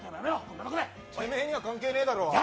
てめえには関係ねえだろう。